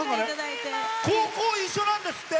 高校、一緒なんですって。